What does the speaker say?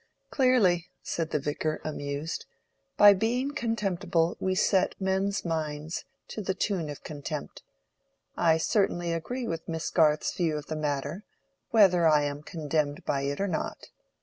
"Clearly," said the Vicar, amused. "By being contemptible we set men's minds to the tune of contempt. I certainly agree with Miss Garth's view of the matter, whether I am condemned by it or not.